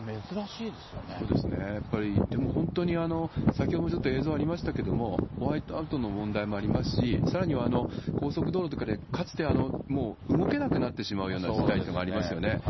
やっぱり、でも本当に先ほどもちょっと映像ありましたけれども、ホワイトアウトの問題もありますし、さらには、高速道路とかでかつてもう、動けなくなってしまうような事態もありましたよね。